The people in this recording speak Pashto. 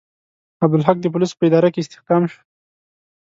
عبدالحق د پولیسو په اداره کې استخدام شو.